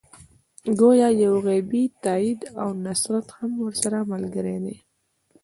ګویا یو غیبي تایید او نصرت هم ورسره ملګری دی.